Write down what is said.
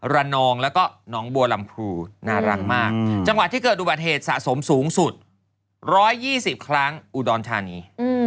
นองแล้วก็น้องบัวลำพูน่ารักมากจังหวัดที่เกิดอุบัติเหตุสะสมสูงสุด๑๒๐ครั้งอุดรธานี